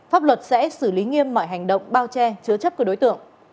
pháp luật sẽ xử lý nghiêm mọi hành động bao che chứa chấp của đối tượng